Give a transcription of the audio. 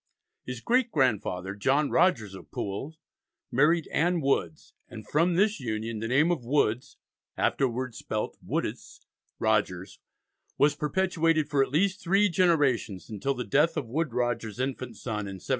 His great grandfather, John Rogers of Poole, married Ann Woods, and from this union the name of Woods (afterwards spelt Woodes) Rogers was perpetuated for at least three generations, until the death of Woodes Rogers's infant son in 1713.